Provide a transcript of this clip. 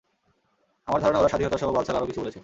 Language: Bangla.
আমার ধারণা ওরা স্বাধীনতাসহ বালছাল আরো কিছু বলেছে।